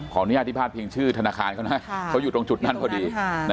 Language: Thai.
อนุญาตที่พาดพิงชื่อธนาคารเขานะเขาอยู่ตรงจุดนั้นพอดี